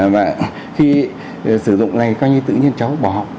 và khi sử dụng này coi như tự nhiên cháu bỏ